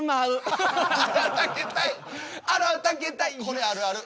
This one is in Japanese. これあるある。